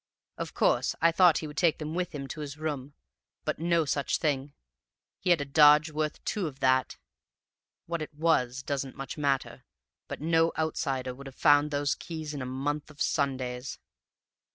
Of course I thought he would take them with him to his room; but no such thing; he had a dodge worth two of that. What it was doesn't much matter, but no outsider would have found those keys in a month of Sundays.